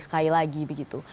sekali lagi begitu